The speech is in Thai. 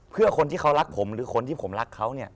เพื่อคนที่เขารักผมหรือคนที่ผมรักเขาเนี่ย